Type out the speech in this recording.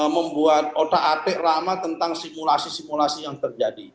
membuat otak atik lama tentang simulasi simulasi yang terjadi